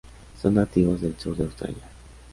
Son nativos del sur de Australia.